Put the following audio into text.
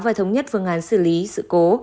và thống nhất phương án xử lý sự cố